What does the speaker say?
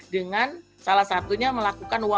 dengan salah satunya melakukan wawanca